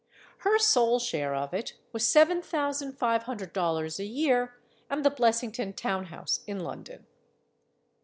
Her sole share of it was seven thousand five hundred dollars a year, and the Blessington town house in London.